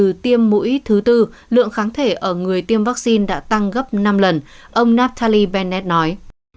từ tiêm mũi thứ tư lượng kháng thể ở người tiêm vaccine đã tăng gấp năm lần ông naftaly benned nói